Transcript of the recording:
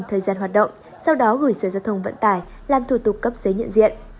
thời gian hoạt động sau đó gửi sở giao thông vận tải làm thủ tục cấp giấy nhận diện